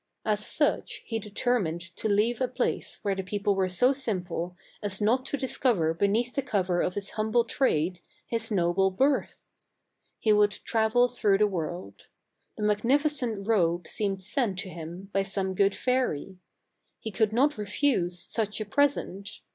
As such he determined to leave a place where the people were so simple as not to discover beneath the cover of his humble trade, his noble birth. He would travel through the world. The magnificent robe seemed sent to him by some good fairy. He could not refuse such a present.